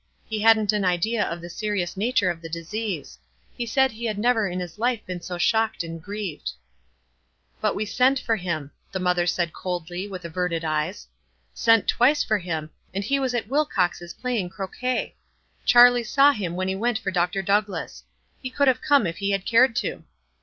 He hadn't an idea of the serious nature of the disease. He said he had never in hi3 life been so shocked and grieved." "But we sent for him," the mother said coldly, with averted eyes ;" sent twice for him, <md he was at Wilcox's playing croquet. Charlie 3 34 WISE AXD OTHERWISE. saw him when he went for Dr. Douglass. He could have come if he had cared to."